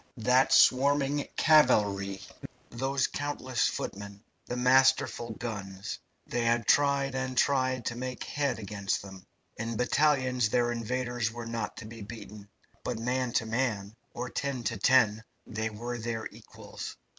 That swarming cavalry, those countless footmen, the masterful guns they had tried and tried to make head against them. In battalions their invaders were not to be beaten, but man to man, or ten to ten, they were their equals.